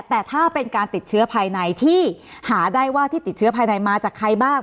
แต่ถ้าเป็นการติดเชื้อภายในที่หาได้ว่าที่ติดเชื้อภายในมาจากใครบ้าง